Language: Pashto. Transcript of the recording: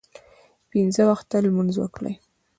پنځه وخته لمونځ وکړئ